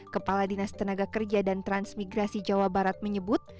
kepala dinas tenaga kerja dan transmigrasi jawa barat menyebut